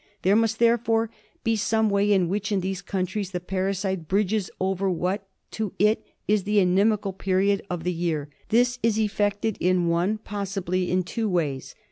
There must therefore be some way by which in these countries the parasite bridges over what, to it, is the inimical period of the year. This is effected in one, possibly in two ways.